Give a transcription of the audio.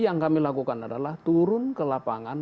yang kami lakukan adalah turun ke lapangan